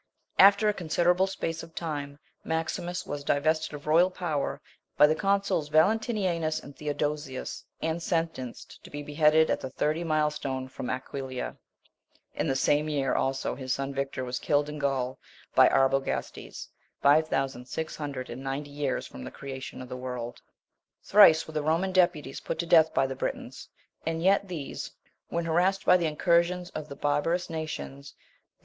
After a considerable space of time, Maximus was divested of royal power by the consuls Valentinianus and Theodosius, and sentenced to be beheaded at the third mile stone from Aquileia: in the same year also his son Victor was killed in Gaul by Arbogastes, five thousand six hundred and ninety years from the creation of the world. 30. Thrice were the Roman deputies put to death by the Britons, and yet these, when harassed by the incursions of the barbarous nations, viz.